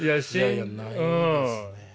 いやないですね。